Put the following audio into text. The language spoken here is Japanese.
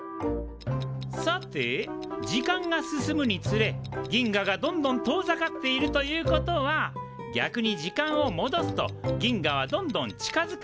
さて時間が進むにつれ銀河がどんどん遠ざかっているということは逆に時間をもどすと銀河はどんどん近づくはずですねえ。